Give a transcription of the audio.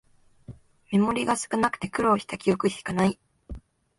メモリが少なくて苦労した記憶しかない